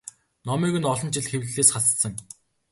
Номыг нь олон жил хэвлэлээс хассан.